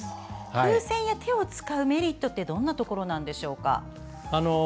風船や手を使うメリットはどんなところでしょうか。